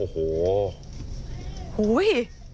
โหว้ย